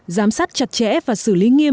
giám sát chặt chẽ và xử lý nghiêm